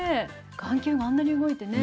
眼球があんなに動いてね。